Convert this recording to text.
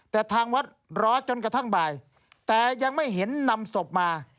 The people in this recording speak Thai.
แต่ทางวัดรอจนกระทั่งบ่ายแต่ยังไม่เห็นนำศพมา